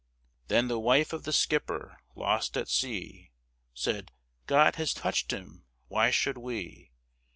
Then the wife of the skipper lost at sea Said, "God has touched him! why should we!"